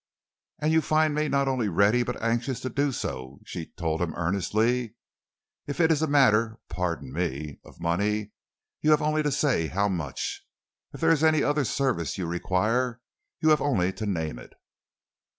"And you find me not only ready but anxious to do so," she told him earnestly. "If it is a matter pardon me of money, you have only to say how much. If there is any other service you require, you have only to name it."